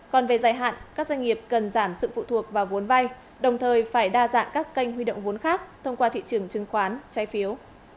còn về dài hạn các doanh nghiệp cần giảm sự phụ thuộc vào vốn vay đồng thời phải đa dạng các kênh huy động vốn khác thông qua thị trường chứng khoán trái phiếu